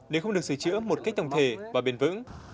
nếu không được sửa chữa một cách tổng thể và bền vững